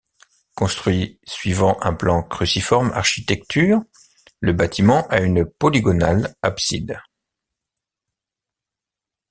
Construit suivant un plan cruciforme architecture, le bâtiment a une polygonale abside.